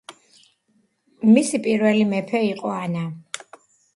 მისი პირველი მეფე იყო ანა.